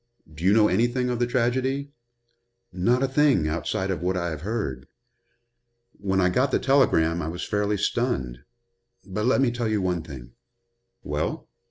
Do you know anything of the tragedy?" "Not a thing, outside of what I have heard. When I got the telegram I was fairly stunned. But let me tell you one thing." "Well?"